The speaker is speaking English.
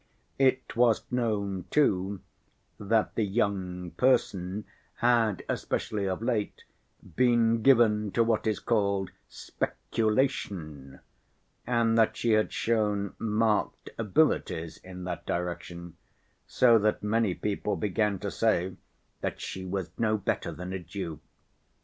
It was known, too, that the young person had, especially of late, been given to what is called "speculation," and that she had shown marked abilities in that direction, so that many people began to say that she was no better than a Jew.